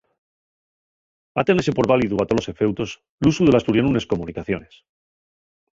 Ha tenese por válidu a tolos efeutos l’usu del asturianu nes comunicaciones.